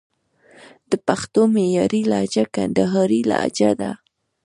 د پښتو معیاري لهجه کندهارۍ لجه ده